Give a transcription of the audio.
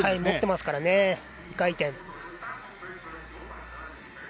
持っていますからね２回転。